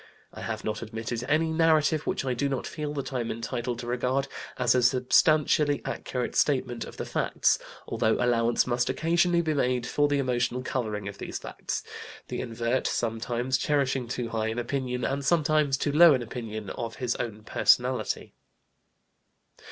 I have not admitted any narrative which I do not feel that I am entitled to regard as a substantially accurate statement of the facts, although allowance must occasionally be made for the emotional coloring of these facts, the invert sometimes cherishing too high an opinion, and sometimes too low an opinion, of his own personality.